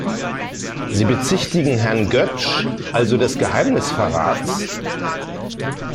Sie bezichtigen Herrn Götsch also des Geheimnisverrats?